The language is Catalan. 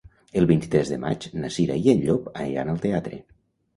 El vint-i-tres de maig na Cira i en Llop aniran al teatre.